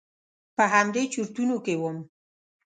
په همدې چرتونو کې وم.